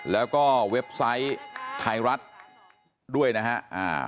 แล้วก็เว็บไซต์ไทยรัฐด้วยนะฮะ